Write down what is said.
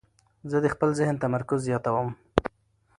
زه د خپل ذهن تمرکز زیاتوم.